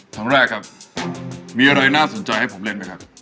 ครั้งแรกครับมีอะไรน่าสนใจให้ผมเล่นไหมครับ